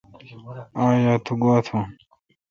آج رات تو گوا تھون۔